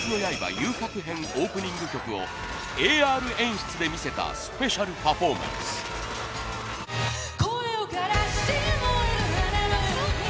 遊郭編オープニング曲をＡＲ演出で見せたスペシャルパフォーマンス。